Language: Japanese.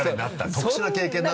特殊な経験だな。